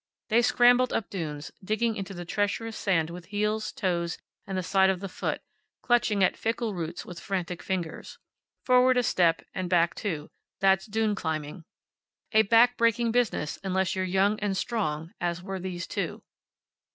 They scrambled up dunes, digging into the treacherous sand with heels, toes, and the side of the foot, and clutching at fickle roots with frantic fingers. Forward a step, and back two that's dune climbing. A back breaking business, unless you're young and strong, as were these two.